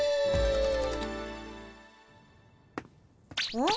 うん？